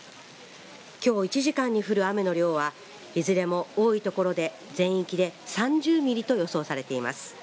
きょう１時間に降る雨の量はいずれも多いところで全域で３０ミリと予想されています。